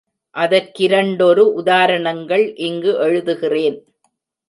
அதற்கிரண்டொரு உதாரணங்கள் இங்கு எழுதுகிறேன்.